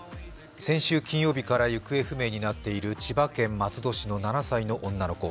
先週金曜日から行方不明になっている千葉県松戸市の７歳の女の子。